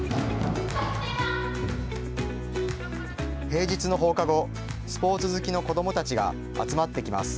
平日の放課後、スポーツ好きの子どもたちが集まってきます。